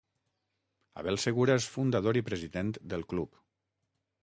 Abel Segura és fundador i president del club.